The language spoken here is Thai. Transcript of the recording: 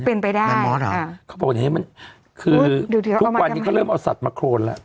เป็นไปได้อ่าเขาบอกว่าอย่างเงี้ยมันคือทุกวันนี้ก็เริ่มเอาสัตว์มาโครนล่ะ